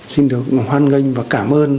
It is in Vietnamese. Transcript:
xin được hoan nghênh và cảm ơn